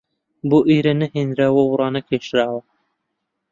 بۆ ئێرە نەهێنراوە و ڕانەکێشراوە